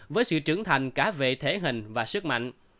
với sự trưởng thành cả về thể hình và sức mạnh